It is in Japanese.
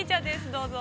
どうぞ。